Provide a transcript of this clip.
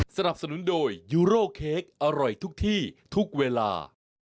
สนับสนุนโดยยูโร่เค้กอร่อยทุกที่ทุกเวลา